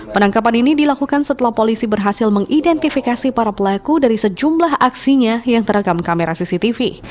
penangkapan ini dilakukan setelah polisi berhasil mengidentifikasi para pelaku dari sejumlah aksinya yang terekam kamera cctv